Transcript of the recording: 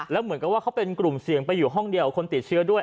แล้วเหมือนกับว่าเขาเป็นกลุ่มเสี่ยงไปอยู่ห้องเดียวคนติดเชื้อด้วย